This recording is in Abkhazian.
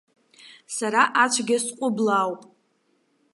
Сара ацәгьа сҟәыблаауп.